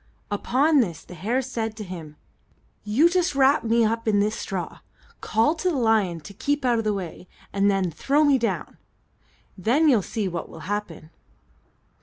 Upon this the hare said to him: "You just wrap me up in this straw, call to the lion to keep out of the way, and then throw me down. Then you'll see what will happen."